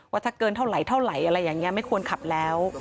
ถ้าเกินเท่าไหรเท่าไหร่อะไรอย่างนี้ไม่ควรขับแล้ว